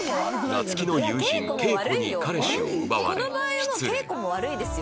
夏希の友人景子に彼氏を奪われ失恋